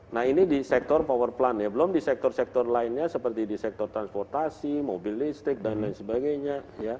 nah ini di sektor power plant ya belum di sektor sektor lainnya seperti di sektor transportasi mobil listrik dan lain sebagainya